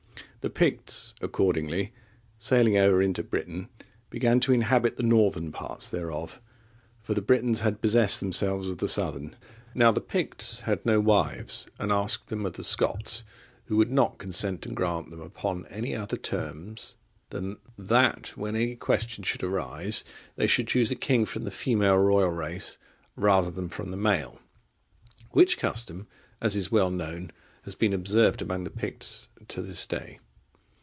The Picts, accordingly, sailing over into Britain, began to inhabit the northern parts thereof, for the Britons had possessed themselves of the southern. Now the Picts had no wives, and asked them of the Scots; who would not consent to grant them upon any other terms, than that when any question should arise, they should choose a king from the female royal race rather than from the male: which custom, as is well known, has been observed among the Picts to this day.